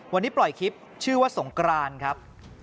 วันนี้ปล่อยคลิปชื่อว่าสงกรานครับ